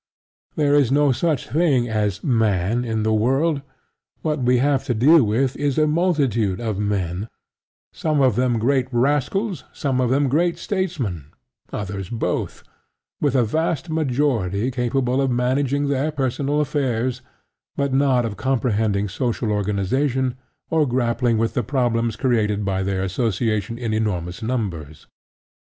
There is no such thing as Man in the world: what we have to deal with is a multitude of men, some of them great rascals, some of them great statesmen, others both, with a vast majority capable of managing their personal affairs, but not of comprehending social organization, or grappling with the problems created by their association in enormous numbers.